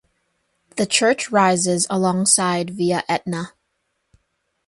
The church rises alongside via Etna.